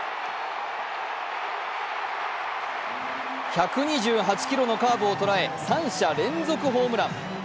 １２８キロのカーブをとらえ三者連続ホームラン。